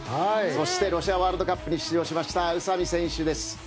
そしてロシアワールドカップに出場しました宇佐美選手です。